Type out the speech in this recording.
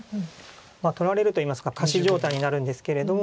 取られるといいますか仮死状態になるんですけれど。